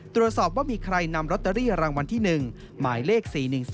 ตรวจสอบว่ามีใครนำลอตเตอรี่รางวัลที่๑หมายเลข๔๑๒